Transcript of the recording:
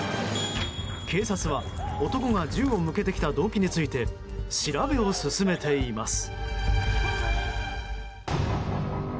警察は男が銃を向けてきた動機について調べを進めています。